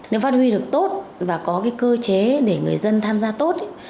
nếu phát huy được tốt và có cái cơ chế để người dân tham gia tốt